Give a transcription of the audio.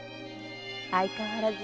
〔相変わらず。